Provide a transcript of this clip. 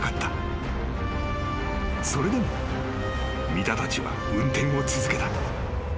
［それでも三田たちは運転を続けた］